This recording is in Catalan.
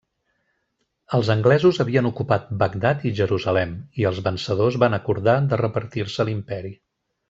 Els anglesos havien ocupat Bagdad i Jerusalem, i els vencedors van acordar de repartir-se l'Imperi.